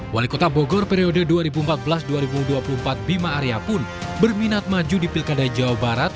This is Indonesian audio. wali kota bogor periode dua ribu empat belas dua ribu dua puluh empat bima arya pun berminat maju di pilkada jawa barat